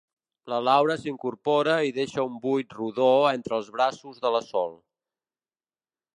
La Laura s'incorpora i deixa un buit rodó entre els braços de la Sol.